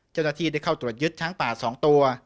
เจ้าหน้าที่ได้เข้าตรวจยึดช้างป่า๒ตัว